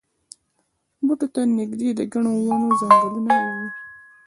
بوټو ته نږدې د ګڼو ونو ځنګلګوټی و.